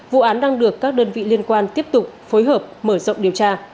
vụ án đang được các đơn vị liên quan tiếp tục phối hợp mở rộng điều tra